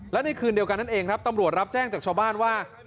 และในคืนเดียวกันนั่นเองครับตำรวจรับแจ้งจากชาวบ้านว่า